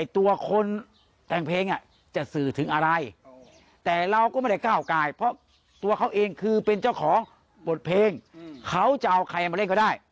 ตัวเขาเองคือเป็นเจ้าของบทเพลงเขาจะเอาใครมาเล่นก็ได้